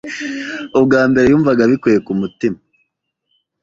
Ubwa mbere, yumvaga abikuye ku mutima.